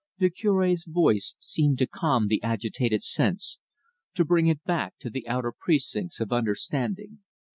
The Cure's voice seemed to calm the agitated sense, to bring it back to the outer precincts of understanding.